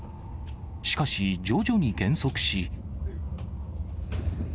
しかし、徐々に減速し。